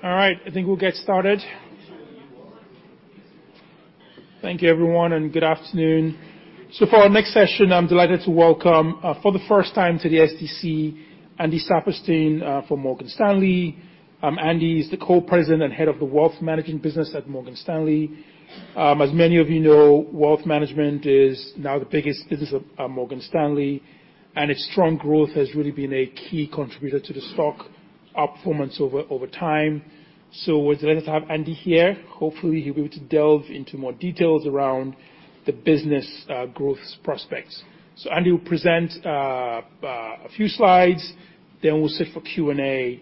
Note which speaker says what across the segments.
Speaker 1: Thank you, everyone, and good afternoon. For our next session, I'm delighted to welcome for the first time to the SDC, Andy Saperstein, from Morgan Stanley. Andy is the Co-President and Head of the Wealth Management Business at Morgan Stanley. As many of you know, wealth management is now the biggest business at Morgan Stanley, and its strong growth has really been a key contributor to the stock outperformance over time. With that, let us have Andy here. Hopefully, he'll be able to delve into more details around the business growth prospects. Andy will present a few slides, then we'll sit for Q&A.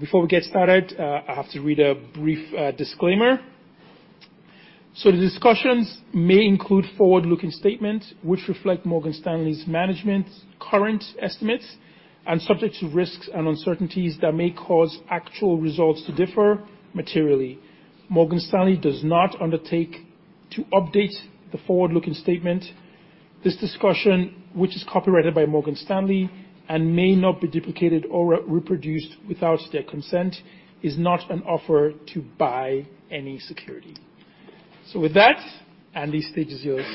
Speaker 1: Before we get started, I have to read a brief disclaimer. The discussions may include forward-looking statements, which reflect Morgan Stanley's management's current estimates and subject to risks and uncertainties that may cause actual results to differ materially. Morgan Stanley does not undertake to update the forward-looking statement. This discussion, which is copyrighted by Morgan Stanley and may not be duplicated or reproduced without their consent, is not an offer to buy any security. With that, Andy, the stage is yours.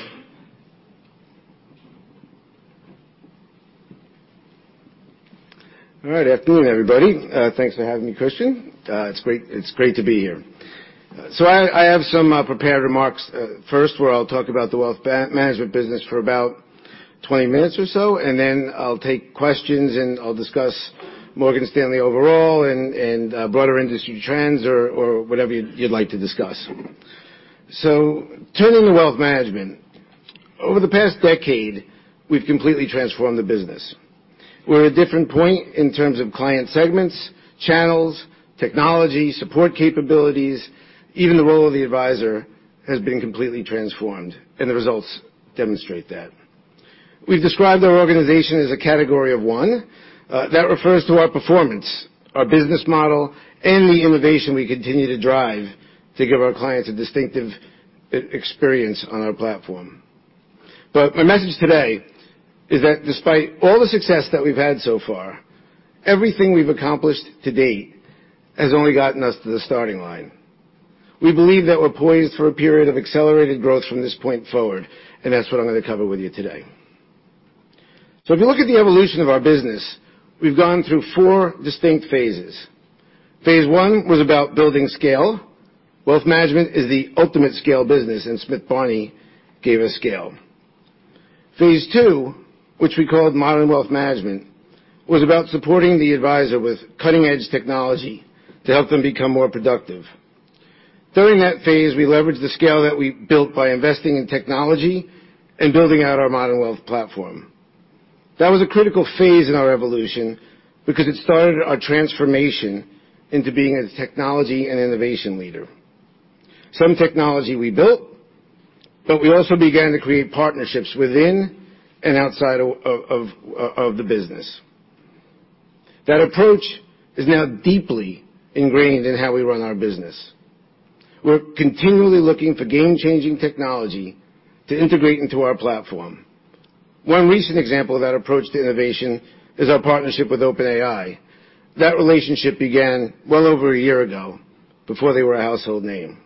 Speaker 2: All right. Afternoon, everybody. Thanks for having me, Christian. It's great to be here. I have some prepared remarks. First, where I'll talk about the wealth management business for about 20 minutes or so, and then I'll take questions, and I'll discuss Morgan Stanley overall and broader industry trends or whatever you'd like to discuss. Turning to wealth management. Over the past decade, we've completely transformed the business. We're at a different point in terms of client segments, channels, technology, support capabilities, even the role of the advisor has been completely transformed, and the results demonstrate that. We've described our organization as a category of one. That refers to our performance, our business model, and the innovation we continue to drive to give our clients a distinctive experience on our platform. My message today is that despite all the success that we've had so far, everything we've accomplished to date has only gotten us to the starting line. We believe that we're poised for a period of accelerated growth from this point forward, and that's what I'm going to cover with you today. If you look at the evolution of our business, we've gone through four distinct phases. Phase I was about building scale. Wealth management is the ultimate scale business, and Smith Barney gave us scale. Phase II, which we called modern wealth management, was about supporting the advisor with cutting-edge technology to help them become more productive. During that phase, we leveraged the scale that we built by investing in technology and building out our modern wealth platform. That was a critical phase in our evolution because it started our transformation into being a technology and innovation leader. Some technology we built, but we also began to create partnerships within and outside of the business. That approach is now deeply ingrained in how we run our business. We're continually looking for game-changing technology to integrate into our platform. One recent example of that approach to innovation is our partnership with OpenAI. That relationship began well over a year ago, before they were a household name.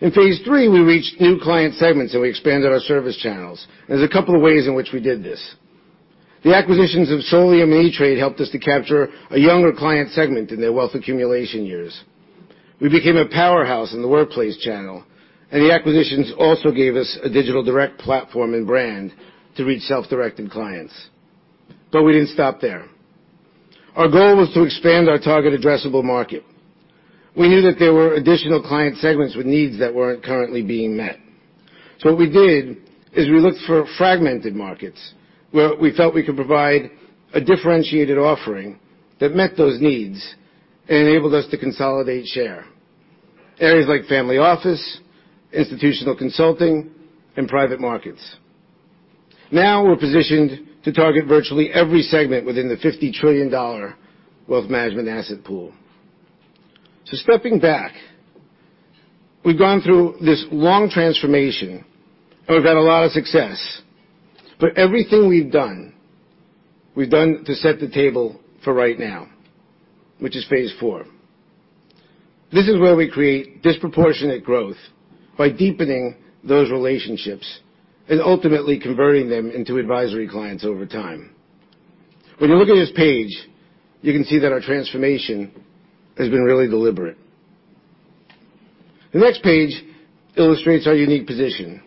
Speaker 2: In phase III, we reached new client segments, and we expanded our service channels. There's a couple of ways in which we did this. The acquisitions of Solium and E*TRADE helped us to capture a younger client segment in their wealth accumulation years. We became a powerhouse in the workplace channel, the acquisitions also gave us a digital direct platform and brand to reach self-directed clients. We didn't stop there. Our goal was to expand our target addressable market. We knew that there were additional client segments with needs that weren't currently being met. What we did is we looked for fragmented markets where we felt we could provide a differentiated offering that met those needs and enabled us to consolidate share. Areas like family office, institutional consulting, and private markets. Now, we're positioned to target virtually every segment within the $50 trillion wealth management asset pool. Stepping back, we've gone through this long transformation, and we've had a lot of success. Everything we've done, we've done to set the table for right now, which is phase IV. This is where we create disproportionate growth by deepening those relationships and ultimately converting them into advisory clients over time. You look at this page, you can see that our transformation has been really deliberate. The next page illustrates our unique position.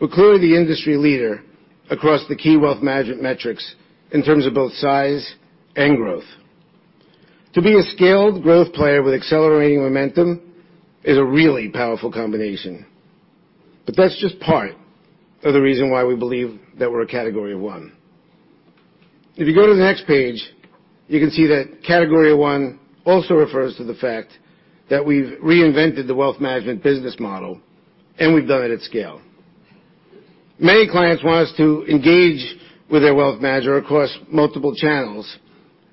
Speaker 2: We're clearly the industry leader across the key wealth management metrics in terms of both size and growth. To be a scaled growth player with accelerating momentum is a really powerful combination, that's just part of the reason why we believe that we're a category of one. You go to the next page, you can see that category of one also refers to the fact that we've reinvented the wealth management business model, and we've done it at scale. Many clients want us to engage with their wealth manager across multiple channels.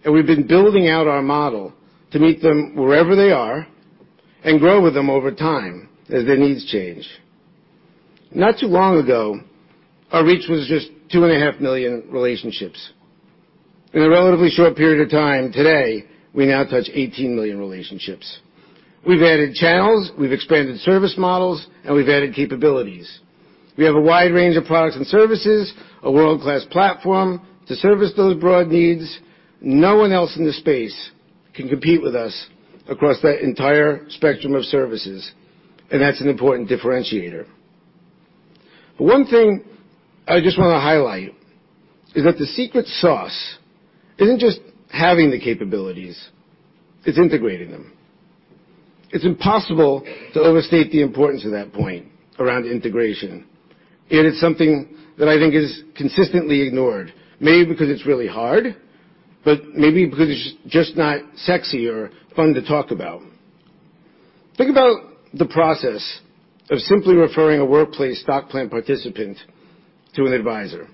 Speaker 2: We've been building out our model to meet them wherever they are and grow with them over time as their needs change. Not too long ago, our reach was just 2.5 million relationships. In a relatively short period of time, today, we now touch 18 million relationships. We've added channels, we've expanded service models, and we've added capabilities. We have a wide range of products and services, a world-class platform to service those broad needs. No one else in this space can compete with us across that entire spectrum of services. That's an important differentiator. One thing I just wanna highlight is that the secret sauce isn't just having the capabilities, it's integrating them. It's impossible to overstate the importance of that point around integration. It is something that I think is consistently ignored, maybe because it's really hard, but maybe because it's just not sexy or fun to talk about. Think about the process of simply referring a workplace stock plan participant to an advisor.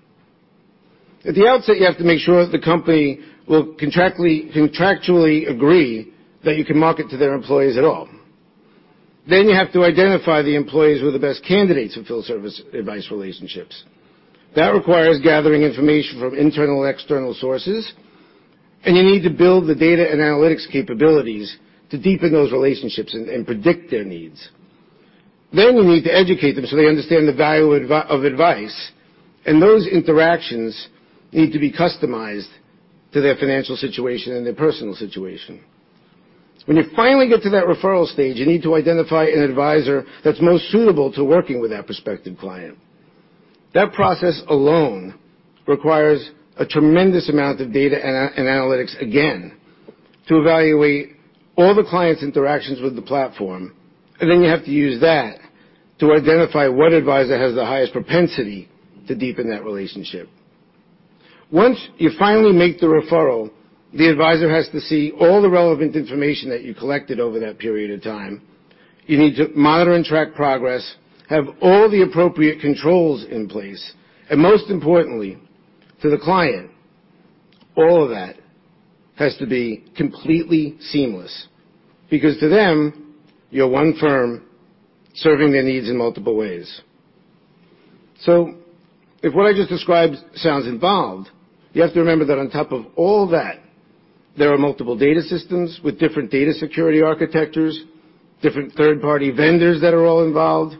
Speaker 2: At the outset, you have to make sure that the company will contractually agree that you can market to their employees at all. You have to identify the employees who are the best candidates for full service advice relationships. That requires gathering information from internal and external sources, and you need to build the data and analytics capabilities to deepen those relationships and predict their needs. You need to educate them so they understand the value of advice, and those interactions need to be customized to their financial situation and their personal situation. When you finally get to that referral stage, you need to identify an advisor that's most suitable to working with that prospective client. That process alone requires a tremendous amount of data and analytics, again, to evaluate all the client's interactions with the platform, and then you have to use that to identify what advisor has the highest propensity to deepen that relationship. Once you finally make the referral, the advisor has to see all the relevant information that you collected over that period of time. You need to monitor and track progress, have all the appropriate controls in place, and most importantly, to the client, all of that has to be completely seamless, because to them, you're one firm serving their needs in multiple ways. If what I just described sounds involved, you have to remember that on top of all that, there are multiple data systems with different data security architectures, different third-party vendors that are all involved.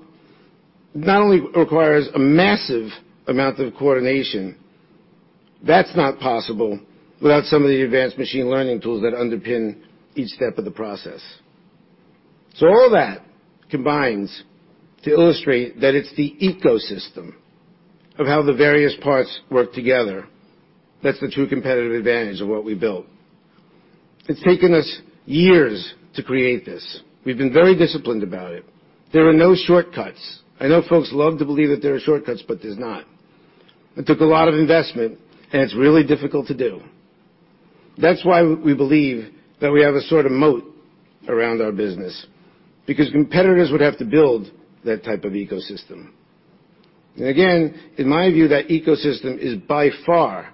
Speaker 2: Not only requires a massive amount of coordination, that's not possible without some of the advanced machine learning tools that underpin each step of the process. All that combines to illustrate that it's the ecosystem of how the various parts work together. That's the true competitive advantage of what we built. It's taken us years to create this. We've been very disciplined about it. There are no shortcuts. I know folks love to believe that there are shortcuts, but there's not. It took a lot of investment, and it's really difficult to do. That's why we believe that we have a sort of moat around our business, because competitors would have to build that type of ecosystem. Again, in my view, that ecosystem is by far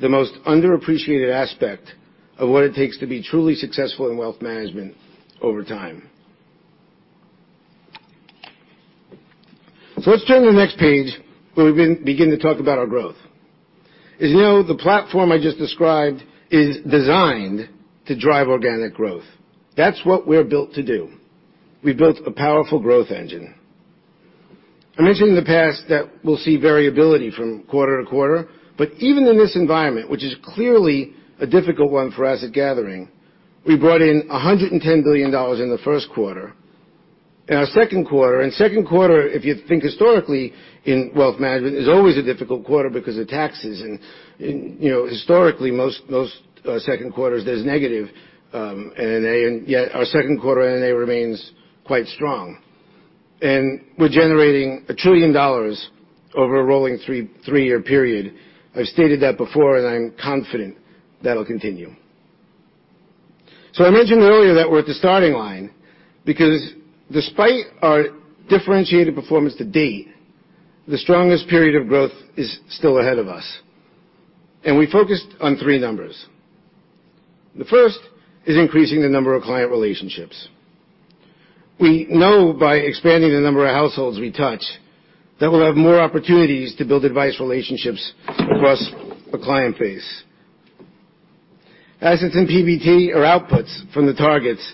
Speaker 2: the most underappreciated aspect of what it takes to be truly successful in wealth management over time. Let's turn to the next page, where we can begin to talk about our growth. As you know, the platform I just described is designed to drive organic growth. That's what we're built to do. We've built a powerful growth engine. I mentioned in the past that we'll see variability from quarter to quarter, but even in this environment, which is clearly a difficult one for asset gathering, we brought in $110 billion in the first quarter. In our second quarter... Second quarter, if you think historically in wealth management, is always a difficult quarter because of taxes. You know, historically, most second quarters, there's negative NNA, and yet our second quarter NNA remains quite strong. We're generating $1 trillion over a rolling three-year period. I've stated that before, and I'm confident that'll continue. I mentioned earlier that we're at the starting line because despite our differentiated performance to date, the strongest period of growth is still ahead of us, and we focused on three numbers. The first is increasing the number of client relationships. We know by expanding the number of households we touch, that we'll have more opportunities to build advice relationships across a client base. Assets and PBT are outputs from the targets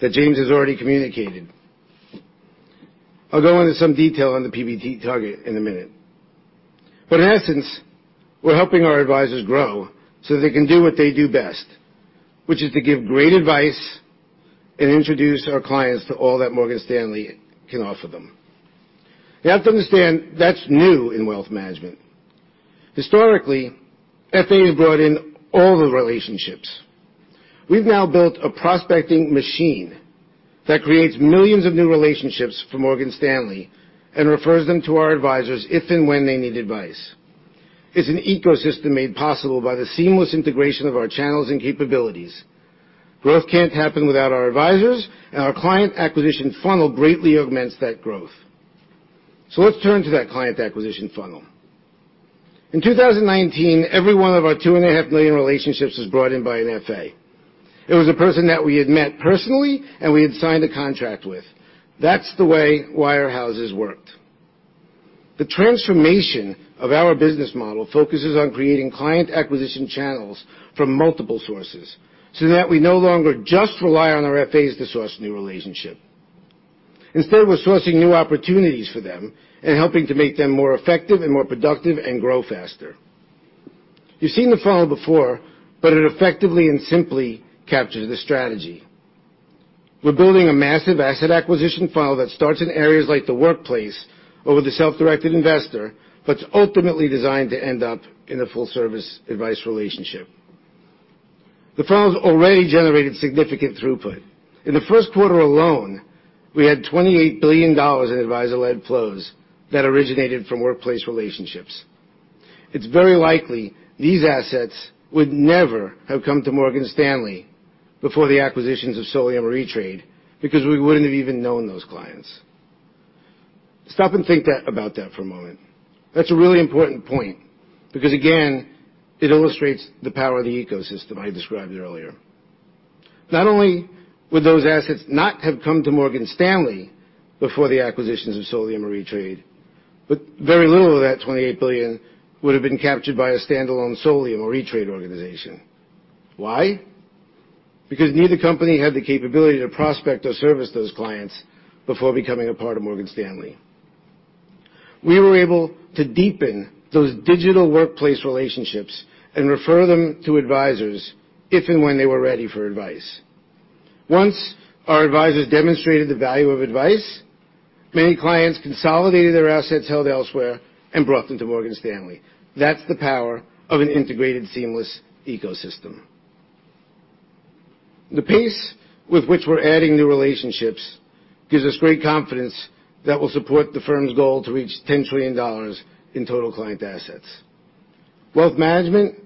Speaker 2: that James has already communicated. I'll go into some detail on the PBT target in a minute. In essence, we're helping our advisors grow so they can do what they do best, which is to give great advice and introduce our clients to all that Morgan Stanley can offer them. You have to understand, that's new in wealth management. Historically, FA has brought in all the relationships. We've now built a prospecting machine that creates millions of new relationships for Morgan Stanley and refers them to our advisors if and when they need advice. It's an ecosystem made possible by the seamless integration of our channels and capabilities. Growth can't happen without our advisors, our client acquisition funnel greatly augments that growth. Let's turn to that client acquisition funnel. In 2019, everyone of our 2.5 million relationships was brought in by an FA. It was a person that we had met personally and we had signed a contract with. That's the way wirehouses worked. The transformation of our business model focuses on creating client acquisition channels from multiple sources so that we no longer just rely on our FAs to source new relationship. Instead, we're sourcing new opportunities for them and helping to make them more effective and more productive and grow faster. You've seen the funnel before, it effectively and simply captures the strategy. We're building a massive asset acquisition funnel that starts in areas like the workplace or with a self-directed investor, it's ultimately designed to end up in a full-service advice relationship. The funnel's already generated significant throughput. In the first quarter alone, we had $28 billion in advisor-led flows that originated from workplace relationships. It's very likely these assets would never have come to Morgan Stanley before the acquisitions of Solium or E*TRADE, because we wouldn't have even known those clients. Stop and think about that for a moment. That's a really important point because, again, it illustrates the power of the ecosystem I described earlier. Not only would those assets not have come to Morgan Stanley before the acquisitions of Solium or E*TRADE, but very little of that $28 billion would have been captured by a standalone Solium or E*TRADE organization. Why? Neither company had the capability to prospect or service those clients before becoming a part of Morgan Stanley. We were able to deepen those digital workplace relationships and refer them to advisors if and when they were ready for advice. Once our advisors demonstrated the value of advice, many clients consolidated their assets held elsewhere and brought them to Morgan Stanley. That's the power of an integrated, seamless ecosystem. The pace with which we're adding new relationships gives us great confidence that we'll support the firm's goal to reach $10 trillion in total client assets. Wealth management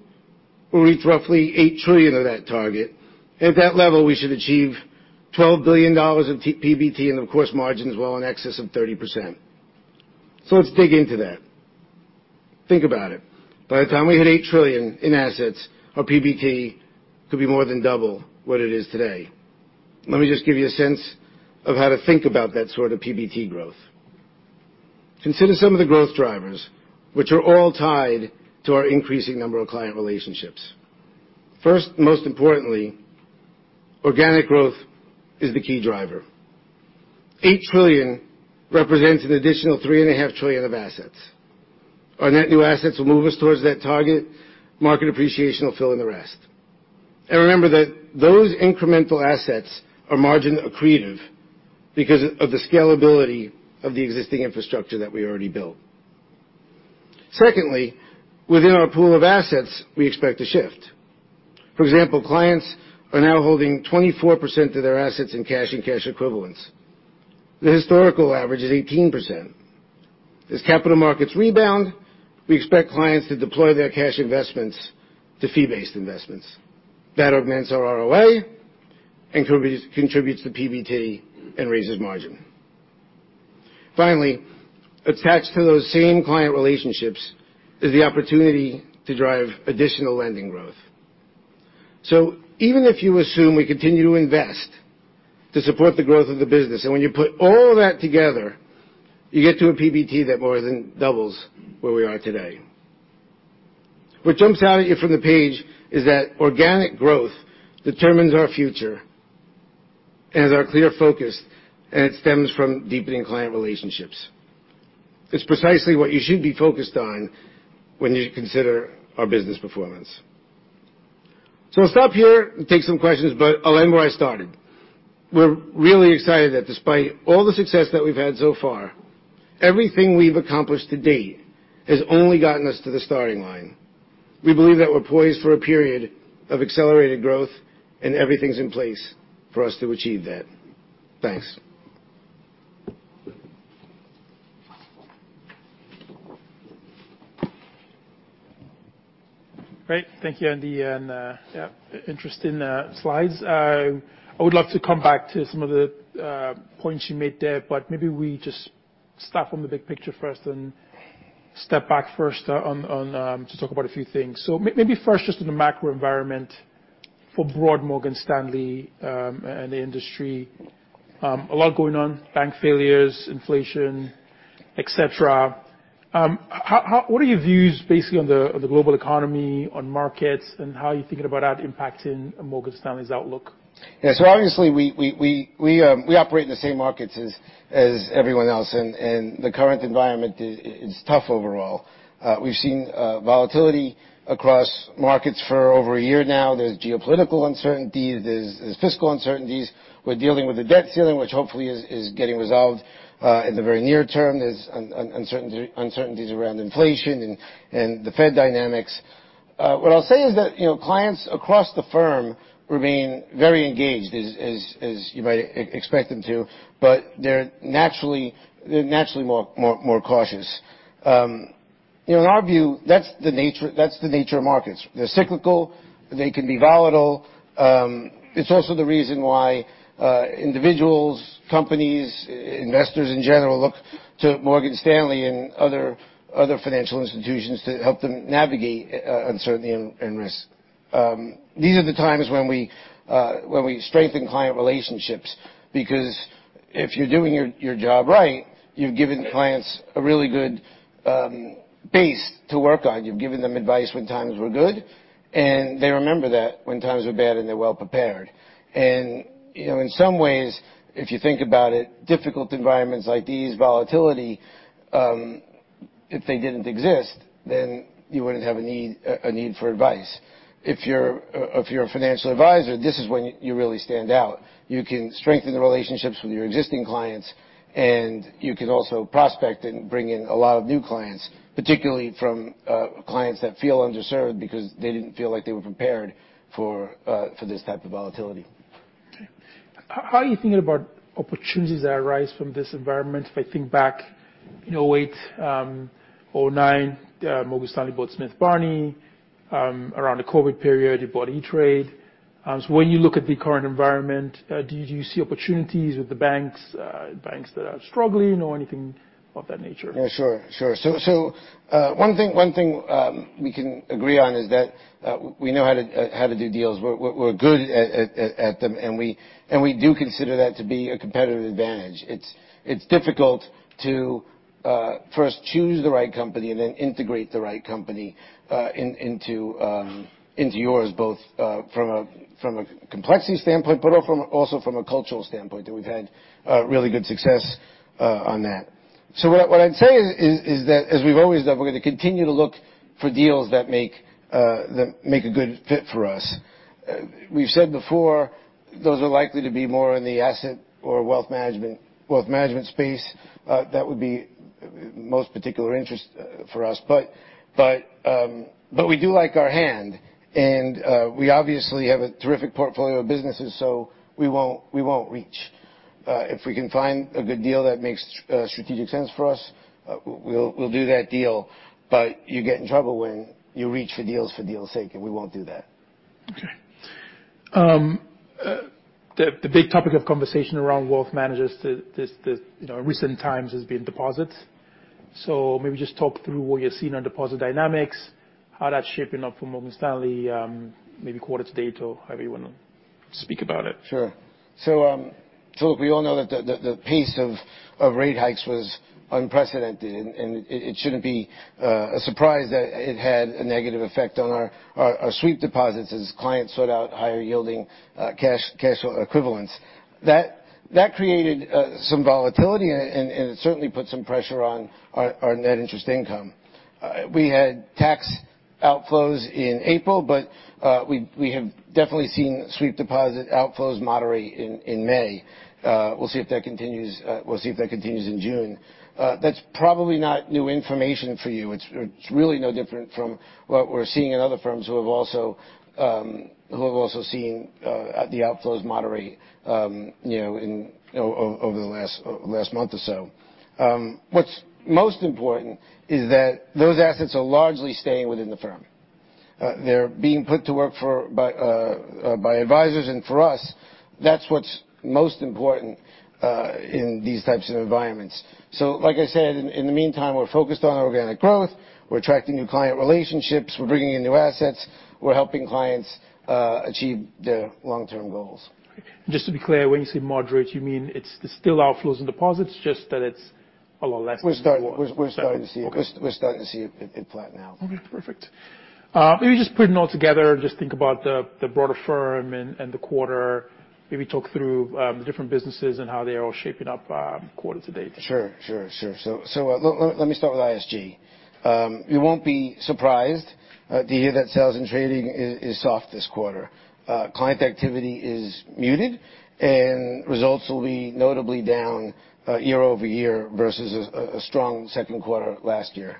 Speaker 2: will reach roughly $8 trillion of that target. At that level, we should achieve $12 billion in PBT and, of course, margins well in excess of 30%. Let's dig into that. Think about it. By the time we hit $8 trillion in assets, our PBT could be more than double what it is today. Let me just give you a sense of how to think about that sort of PBT growth. Consider some of the growth drivers, which are all tied to our increasing number of client relationships. First, and most importantly, organic growth is the key driver. $8 trillion represents an additional $3.5 trillion of assets. Our net new assets will move us towards that target. Market appreciation will fill in the rest. Remember that those incremental assets are margin accretive because of the scalability of the existing infrastructure that we already built. Secondly, within our pool of assets, we expect a shift. For example, clients are now holding 24% of their assets in cash and cash equivalents. The historical average is 18%. As capital markets rebound, we expect clients to deploy their cash investments to fee-based investments. That augments our ROA and contributes to PBT and raises margin. Finally, attached to those same client relationships is the opportunity to drive additional lending growth. Even if you assume we continue to invest to support the growth of the business, and when you put all of that together, you get to a PBT that more than doubles where we are today. What jumps out at you from the page is that organic growth determines our future and is our clear focus, and it stems from deepening client relationships. It's precisely what you should be focused on when you consider our business performance. I'll stop here and take some questions, but I'll end where I started. We're really excited that despite all the success that we've had so far, everything we've accomplished to date has only gotten us to the starting line. We believe that we're poised for a period of accelerated growth, and everything's in place for us to achieve that. Thanks.
Speaker 1: Great. Thank you, Andy, and yeah, interesting slides. I would love to come back to some of the points you made there, but maybe we just start from the big picture first and step back first on to talk about a few things. Maybe first, just on the macro environment for broad Morgan Stanley and the industry. A lot going on, bank failures, inflation, et cetera. What are your views, basically, on the global economy, on markets, and how are you thinking about that impacting Morgan Stanley's outlook?
Speaker 2: Yeah. Obviously, we operate in the same markets as everyone else, and the current environment is tough overall. We've seen volatility across markets for over one year now. There's geopolitical uncertainty, there's fiscal uncertainties. We're dealing with the debt ceiling, which hopefully is getting resolved in the very near term. There's uncertainties around inflation and the Fed dynamics. What I'll say is that, you know, clients across the firm remain very engaged, as you might expect them to, but they're naturally more cautious. You know, in our view, that's the nature of markets. They're cyclical, they can be volatile. It's also the reason why individuals, companies, investors in general, look to Morgan Stanley and other financial institutions to help them navigate uncertainty and risk. These are the times when we strengthen client relationships, because if you're doing your job right, you've given clients a really good base to work on. You've given them advice when times were good, and they remember that when times are bad, and they're well prepared. You know, in some ways, if you think about it, difficult environments like these, volatility, if they didn't exist, then you wouldn't have a need for advice. If you're a financial advisor, this is when you really stand out. You can strengthen the relationships with your existing clients, and you can also prospect and bring in a lot of new clients, particularly from clients that feel underserved because they didn't feel like they were prepared for this type of volatility.
Speaker 1: Okay. How are you thinking about opportunities that arise from this environment? If I think back, you know, 2008, 2009, Morgan Stanley bought Smith Barney. Around the COVID period, you bought E*TRADE. When you look at the current environment, do you see opportunities with the banks that are struggling or anything of that nature?
Speaker 2: Yeah, sure. One thing we can agree on is that we know how to do deals. We're good at them, and we do consider that to be a competitive advantage. It's difficult to first choose the right company and then integrate the right company into yours, both from a complexity standpoint, but also from a cultural standpoint, that we've had really good success on that. What I'd say is that as we've always done, we're gonna continue to look for deals that make a good fit for us. We've said before, those are likely to be more in the asset or wealth management space, that would be most particular interest for us. We do like our hand, and we obviously have a terrific portfolio of businesses, so we won't reach. If we can find a good deal that makes strategic sense for us, we'll do that deal, but you get in trouble when you reach for deals' sake, and we won't do that.
Speaker 1: Okay. The big topic of conversation around wealth managers, you know, in recent times has been deposits. Maybe just talk through what you're seeing on deposit dynamics, how that's shaping up for Morgan Stanley, maybe quarter to date, or however you wanna speak about it.
Speaker 2: Sure. We all know that the pace of rate hikes was unprecedented, and it shouldn't be a surprise that it had a negative effect on our sweep deposits as clients sought out higher yielding cash equivalents. That created some volatility, and it certainly put some pressure on our net interest income. We had tax outflows in April, but we have definitely seen sweep deposit outflows moderate in May. We'll see if that continues, we'll see if that continues in June. That's probably not new information for you. It's really no different from what we're seeing in other firms who have also seen the outflows moderate, you know, over the last month or so. What's most important is that those assets are largely staying within the firm. They're being put to work for by advisors, and for us, that's what's most important, in these types of environments. Like I said, in the meantime, we're focused on organic growth, we're attracting new client relationships, we're bringing in new assets, we're helping clients achieve their long-term goals.
Speaker 1: Just to be clear, when you say moderate, you mean it's still outflows in deposits, just that it's a lot less?
Speaker 2: We're starting-
Speaker 1: Okay.
Speaker 2: We're starting to see it flatten out.
Speaker 1: Okay, perfect. Maybe just putting it all together, just think about the broader firm and the quarter. Maybe talk through the different businesses and how they are all shaping up, quarter to date.
Speaker 2: Sure, sure. Let me start with ISG. You won't be surprised to hear that sales and trading is soft this quarter. Client activity is muted, and results will be notably down year-over-year versus a strong second quarter last year.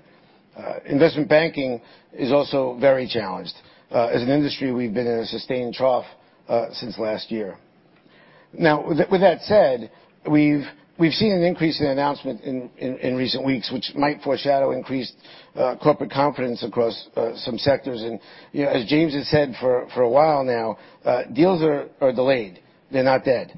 Speaker 2: Investment banking is also very challenged. As an industry, we've been in a sustained trough since last year. Now, with that said, we've seen an increase in announcement in recent weeks, which might foreshadow increased corporate confidence across some sectors. You know, as James has said for a while now, deals are delayed. They're not dead.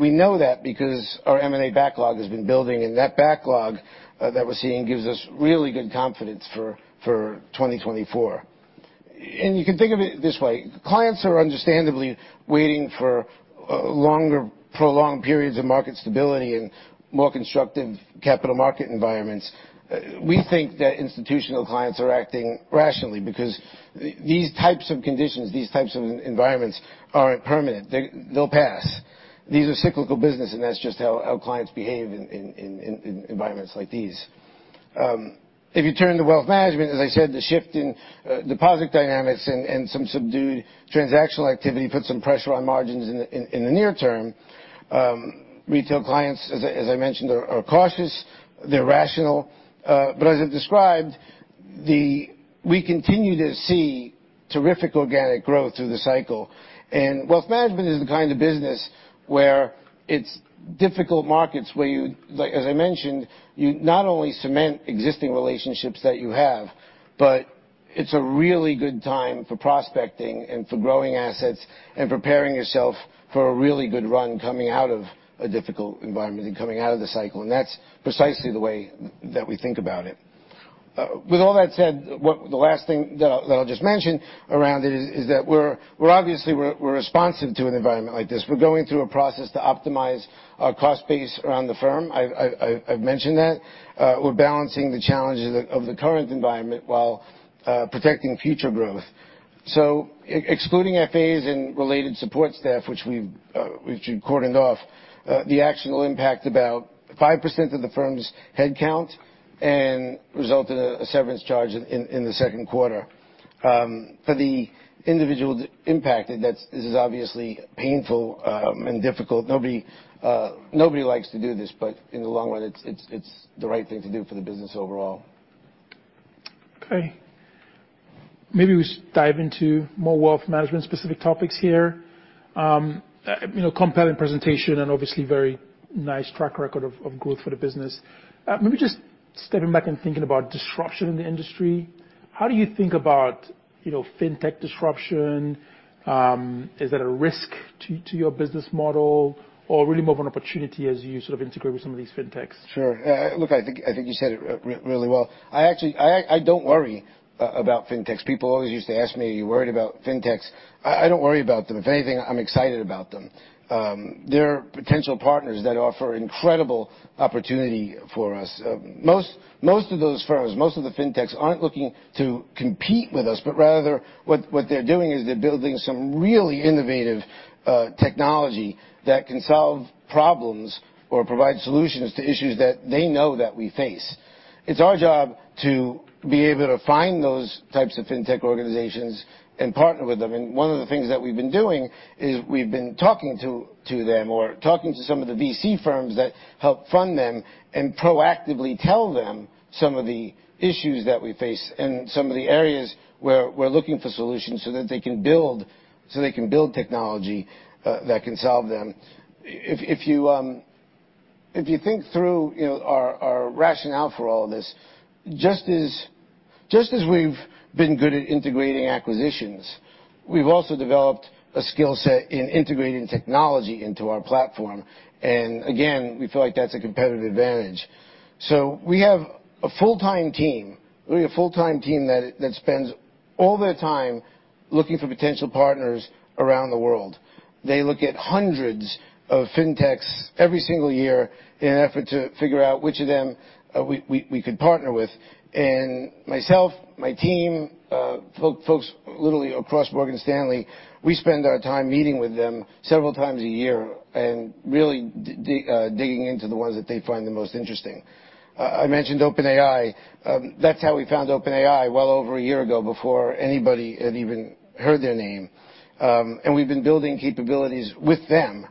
Speaker 2: We know that because our M&A backlog has been building, and that backlog that we're seeing gives us really good confidence for 2024. You can think of it this way: clients are understandably waiting for longer, prolonged periods of market stability and more constructive capital market environments. We think that institutional clients are acting rationally because these types of conditions, these types of environments, aren't permanent. They'll pass. These are cyclical business, and that's just how clients behave in environments like these. If you turn to wealth management, as I said, the shift in deposit dynamics and some subdued transactional activity put some pressure on margins in the near term. Retail clients, as I mentioned, are cautious, they're rational, but as I described, We continue to see terrific organic growth through the cycle. Wealth management is the kind of business where it's difficult markets, where you, like, as I mentioned, you not only cement existing relationships that you have, but it's a really good time for prospecting and for growing assets and preparing yourself for a really good run coming out of a difficult environment and coming out of the cycle. That's precisely the way that we think about it. With all that said, the last thing that I'll just mention around it is that we're obviously, we're responsive to an environment like this. We're going through a process to optimize our cost base around the firm. I've mentioned that. We're balancing the challenges of the current environment while protecting future growth. Excluding FAs and related support staff, which we've cordoned off, the action will impact about 5% of the firm's headcount and result in a severance charge in the second quarter. For the individuals impacted, this is obviously painful and difficult. Nobody, nobody likes to do this, but in the long run, it's the right thing to do for the business overall.
Speaker 1: Maybe we dive into more wealth management-specific topics here. You know, compelling presentation and obviously very nice track record of growth for the business. Maybe just stepping back and thinking about disruption in the industry, how do you think about, you know, fintech disruption? Is that a risk to your business model or really more of an opportunity as you sort of integrate with some of these fintechs?
Speaker 2: Sure. look, I think you said it really well. I actually, I don't worry about fintechs. People always used to ask me, "Are you worried about fintechs?" I don't worry about them. If anything, I'm excited about them. They're potential partners that offer incredible opportunity for us. Most of those firms, most of the fintechs, aren't looking to compete with us, but rather, what they're doing is they're building some really innovative technology that can solve problems or provide solutions to issues that they know that we face. It's our job to be able to find those types of fintech organizations and partner with them. One of the things that we've been doing, is we've been talking to them or talking to some of the VC firms that help fund them and proactively tell them some of the issues that we face and some of the areas where we're looking for solutions so that they can build technology that can solve them. If you think through, you know, our rationale for all of this, just as we've been good at integrating acquisitions, we've also developed a skill set in integrating technology into our platform. Again, we feel like that's a competitive advantage. We have a full-time team that spends all their time looking for potential partners around the world. They look at hundreds of fintechs every single year in an effort to figure out which of them, we could partner with. Myself, my team, folks literally across Morgan Stanley, we spend our time meeting with them several times a year and really digging into the ones that they find the most interesting. I mentioned OpenAI. That's how we found OpenAI well over a year ago, before anybody had even heard their name. And we've been building capabilities with them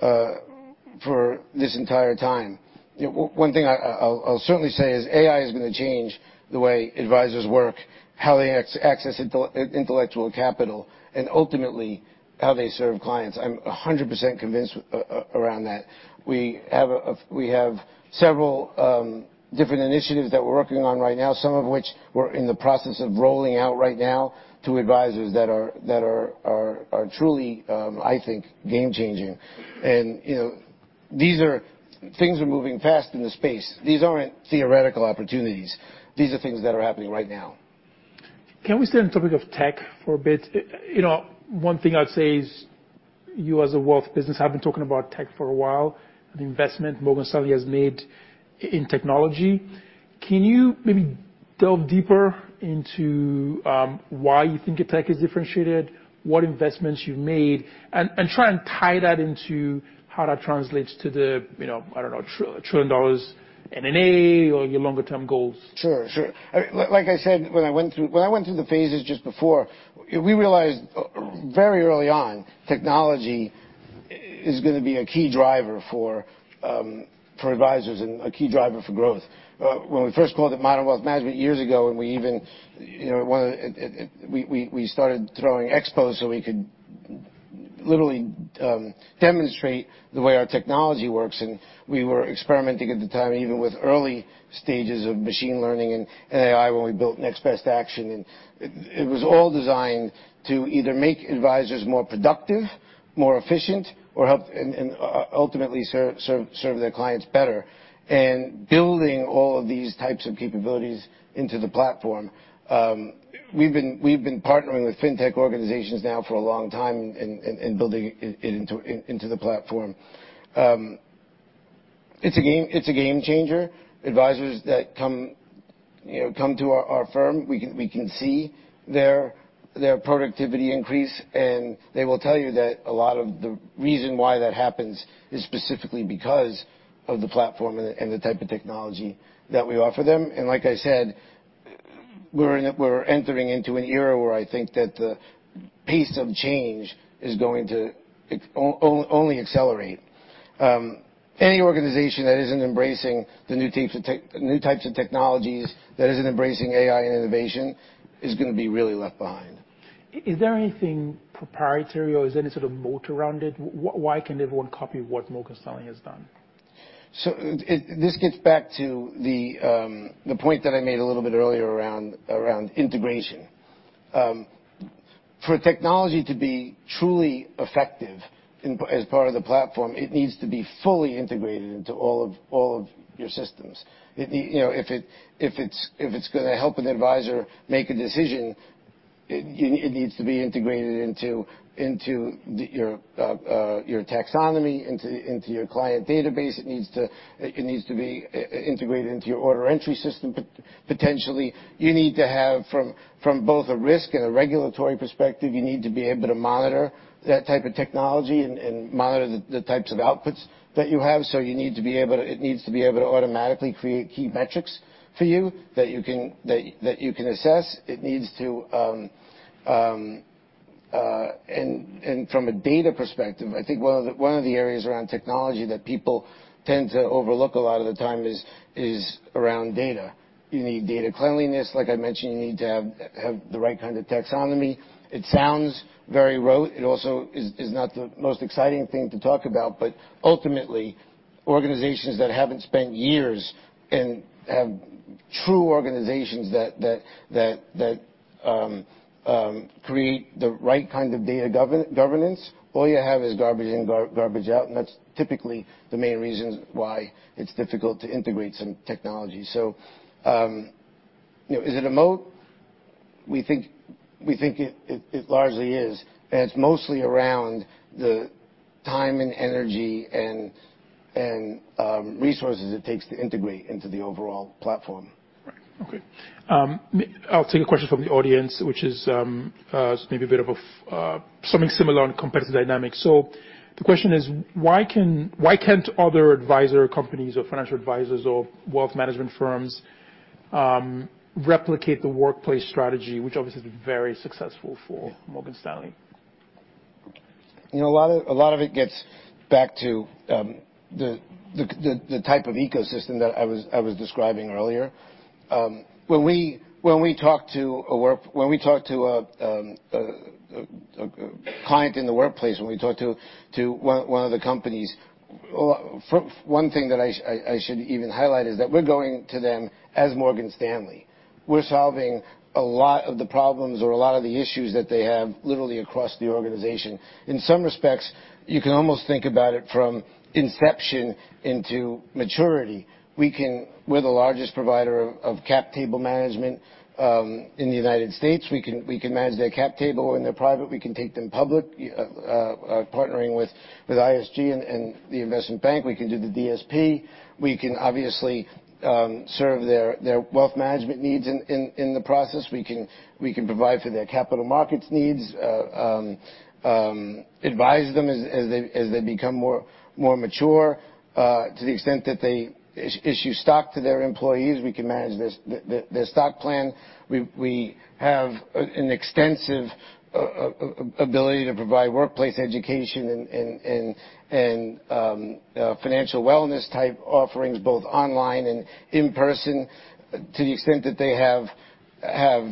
Speaker 2: for this entire time. You know, one thing I'll certainly say is, AI is going to change the way advisors work, how they access intellectual capital, and ultimately, how they serve clients. I'm 100% convinced around that. We have a... We have several different initiatives that we're working on right now, some of which we're in the process of rolling out right now to advisors that are truly, I think, game changing. You know, things are moving fast in the space. These aren't theoretical opportunities. These are things that are happening right now.
Speaker 1: Can we stay on the topic of tech for a bit? You know, one thing I'd say is, you, as a wealth business, have been talking about tech for a while, the investment Morgan Stanley has made in technology. Can you maybe delve deeper into why you think a tech is differentiated, what investments you've made, and try and tie that into how that translates to the, you know, I don't know, trillion dollars M&A or your longer term goals?
Speaker 2: Sure, sure. I mean, like I said, when I went through the phases just before, we realized, very early on, technology is gonna be a key driver for advisors and a key driver for growth. When we first called it modern wealth management years ago, and we even, you know, one of it, We started throwing expos so we could literally, demonstrate the way our technology works, and we were experimenting at the time, even with early stages of machine learning and AI, when we built Next Best Action. It was all designed to either make advisors more productive, more efficient, or help and ultimately, serve their clients better, and building all of these types of capabilities into the platform. We've been partnering with fintech organizations now for a long time and building it into the platform. It's a game changer. Advisors that come, you know, to our firm, we can see their productivity increase, and they will tell you that a lot of the reason why that happens is specifically because of the platform and the type of technology that we offer them. Like I said, we're entering into an era where I think that the pace of change is going to only accelerate. Any organization that isn't embracing the new types of technologies, that isn't embracing AI and innovation, is gonna be really left behind.
Speaker 1: Is there anything proprietary or is any sort of moat around it? Why can everyone copy what Morgan Stanley has done?
Speaker 2: This gets back to the point that I made a little bit earlier around integration. For technology to be truly effective in, as part of the platform, it needs to be fully integrated into all of your systems. You know, if it's gonna help an advisor make a decision, it needs to be integrated into your taxonomy, into your client database. It needs to be integrated into your order entry system, potentially. You need to have from both a risk and a regulatory perspective, you need to be able to monitor that type of technology and monitor the types of outputs that you have. You need to be able to automatically create key metrics for you that you can assess. It needs to. From a data perspective, I think one of the areas around technology that people tend to overlook a lot of the time is around data. You need data cleanliness. Like I mentioned, you need to have the right kind of taxonomy. It sounds very rote. It also is not the most exciting thing to talk about. Ultimately, organizations that haven't spent years and have true organizations that create the right kind of data governance, all you have is garbage in, garbage out, and that's typically the main reason why it's difficult to integrate some technology. You know, is it a moat? We think it largely is, and it's mostly around the time and energy and resources it takes to integrate into the overall platform.
Speaker 1: Right. Okay. I'll take a question from the audience, which is, maybe a bit of, something similar on competitive dynamics. The question is: Why can't other advisor companies or financial advisors or wealth management firms, replicate the workplace strategy, which obviously has been very successful for Morgan Stanley?
Speaker 2: You know, a lot of it gets back to the type of ecosystem that I was describing earlier. When we talk to a client in the workplace, when we talk to one of the companies, one thing that I should even highlight is that we're going to them as Morgan Stanley. We're solving a lot of the problems or a lot of the issues that they have literally across the organization. In some respects, you can almost think about it from inception into maturity. We're the largest provider of cap table management in the United States. We can manage their cap table when they're private. We can take them public, partnering with ISG and the investment bank. We can do the DSP. We can obviously serve their wealth management needs in the process. We can provide for their capital markets needs, advise them as they become more mature. To the extent that they issue stock to their employees, we can manage their stock plan. We have an extensive ability to provide workplace education and financial wellness-type offerings, both online and in person. To the extent that they have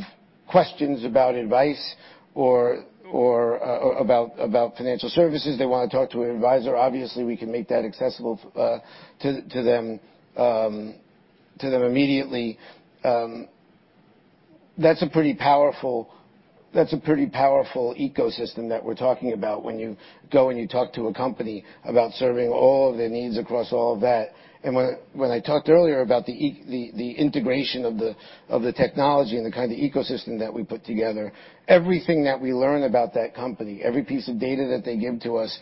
Speaker 2: questions about advice or about financial services, they want to talk to an advisor, obviously, we can make that accessible to them immediately. That's a pretty powerful ecosystem that we're talking about when you go and you talk to a company about serving all of their needs across all of that. When I talked earlier about the integration of the technology and the kind of ecosystem that we put together, everything that we learn about that company, every piece of data that they give to us,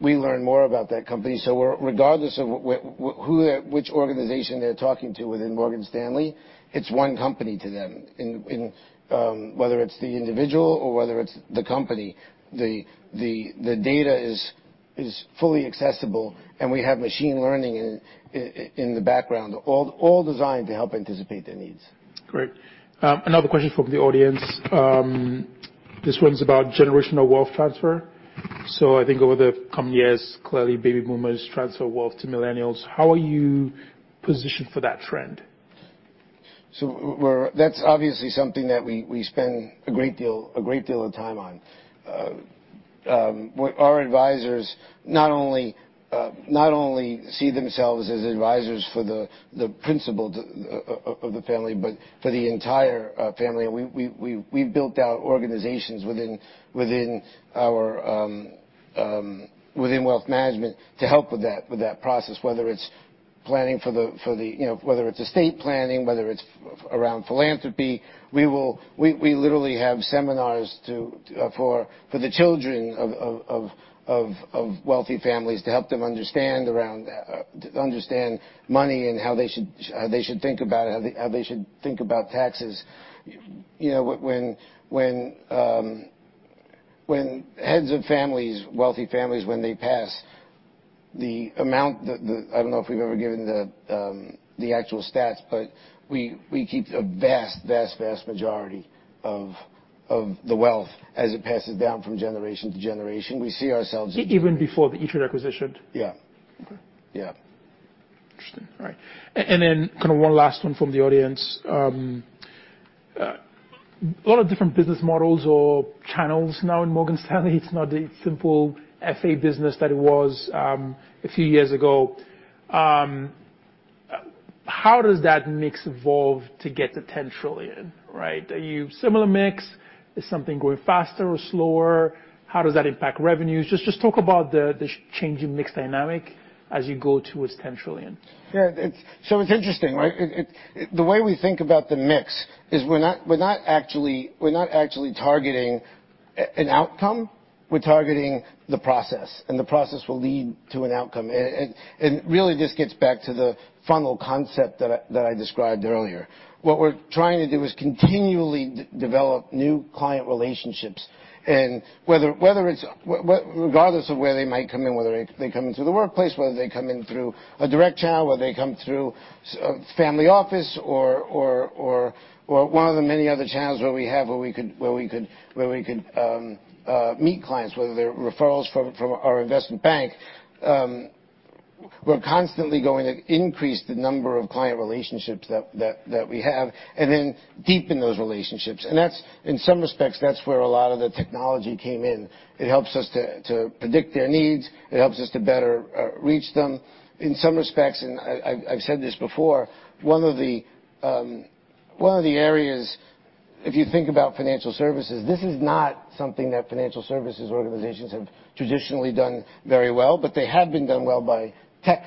Speaker 2: we learn more about that company. Regardless of which organization they're talking to within Morgan Stanley, it's one company to them. In whether it's the individual or whether it's the company, the data is fully accessible, and we have machine learning in the background, all designed to help anticipate their needs.
Speaker 1: Great. Another question from the audience. This one's about generational wealth transfer. I think over the coming years, clearly, baby boomers transfer wealth to millennials. How are you positioned for that trend?
Speaker 2: That's obviously something that we spend a great deal of time on. Our advisors not only see themselves as advisors for the principal of the family, but for the entire family. We've built out organizations within our Wealth Management to help with that process, whether it's planning for the, you know, whether it's estate planning, whether it's around philanthropy, we literally have seminars for the children of wealthy families to help them understand money and how they should think about it, how they should think about taxes. You know, when heads of families, wealthy families, when they pass, the amount that the... I don't know if we've ever given the actual stats, but we keep a vast majority of the wealth as it passes down from generation to generation.
Speaker 1: Even before the E*TRADE acquisition?
Speaker 2: Yeah.
Speaker 1: Okay.
Speaker 2: Yeah.
Speaker 1: Interesting. All right. Then kind of one last one from the audience. A lot of different business models or channels now in Morgan Stanley, it's not the simple FA business that it was a few years ago. How does that mix evolve to get to $10 trillion, right? Are you similar mix? Is something going faster or slower? How does that impact revenues? Just talk about the changing mix dynamic as you go towards $10 trillion.
Speaker 2: Yeah, so it's interesting, right? The way we think about the mix is we're not actually targeting an outcome, we're targeting the process, and the process will lead to an outcome. Really this gets back to the funnel concept that I described earlier. What we're trying to do is continually develop new client relationships, regardless of where they might come in, whether they come in through the workplace, whether they come in through a direct channel, whether they come through family office or one of the many other channels where we have, where we could meet clients, whether they're referrals from our investment bank. We're constantly going to increase the number of client relationships that we have, and then deepen those relationships. That's, in some respects, that's where a lot of the technology came in. It helps us to predict their needs, it helps us to better reach them. In some respects, and I've, I've said this before, one of the areas, if you think about financial services, this is not something that financial services organizations have traditionally done very well, but they have been done well by tech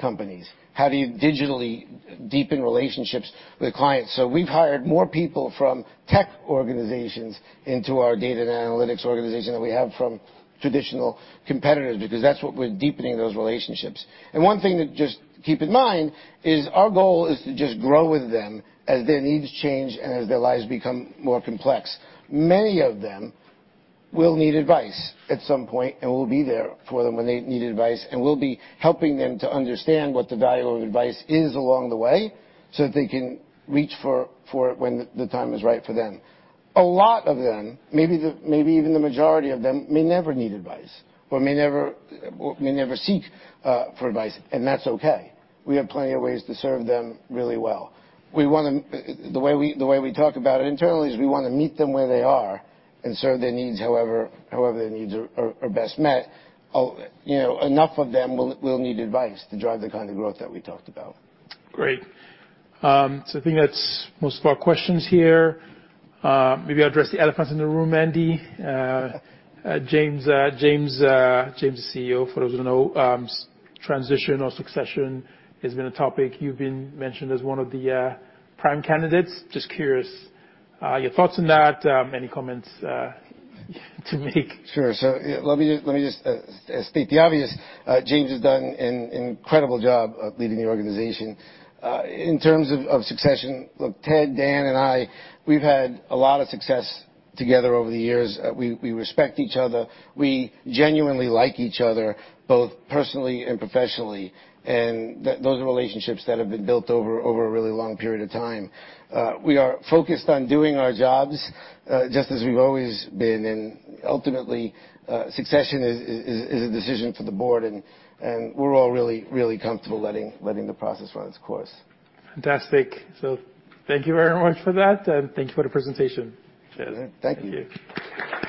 Speaker 2: companies. How do you digitally deepen relationships with clients? We've hired more people from tech organizations into our data and analytics organization than we have from traditional competitors, because that's what we're deepening those relationships. One thing to just keep in mind is our goal is to just grow with them as their needs change and as their lives become more complex. Many of them will need advice at some point. We'll be there for them when they need advice. We'll be helping them to understand what the value of advice is along the way, so that they can reach for it when the time is right for them. A lot of them, maybe even the majority of them, may never need advice or may never seek for advice. That's okay. We have plenty of ways to serve them really well. The way we talk about it internally is we want to meet them where they are and serve their needs however their needs are best met. You know, enough of them will need advice to drive the kind of growth that we talked about.
Speaker 1: Great. I think that's most of our questions here. Maybe address the elephant in the room, Andy. James is CEO, for those who know, transition or succession has been a topic. You've been mentioned as one of the, prime candidates. Just curious, your thoughts on that, any comments, to make?
Speaker 2: Sure. Yeah, let me just state the obvious. James has done an incredible job of leading the organization. In terms of succession, look, Ted, Dan, and I, we've had a lot of success together over the years. We respect each other, we genuinely like each other, both personally and professionally, and that those are relationships that have been built over a really long period of time. We are focused on doing our jobs, just as we've always been. Ultimately, succession is a decision for the board, and we're all really comfortable letting the process run its course.
Speaker 1: Fantastic. Thank you very much for that, and thank you for the presentation.
Speaker 2: Thank you.
Speaker 1: Thank you.